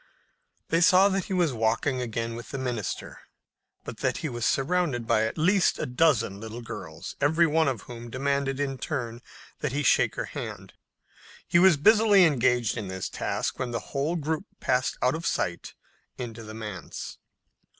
They saw that he was walking again with the minister, but that he was surrounded by at least a dozen little girls, every one of whom demanded in turn that he shake her hand. He was busily engaged in this task when the whole group passed out of sight into the manse.